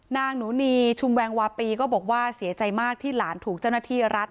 นางหนูนีชุมแวงวาปีก็บอกว่าเสียใจมากที่หลานถูกเจ้าหน้าที่รัฐ